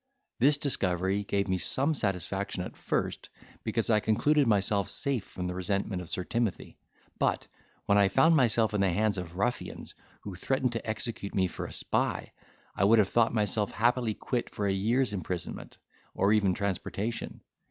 This discovery gave me some satisfaction at first, because I concluded myself safe from the resentment of Sir Timothy; but, when I found myself in the hands of ruffians, who threatened to execute me for a spy, I would have thought myself happily quit for a year's imprisonment, or even transportation.